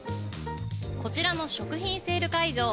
こちらの食品セール会場